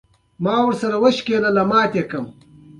د امریکا د حکومت تړل: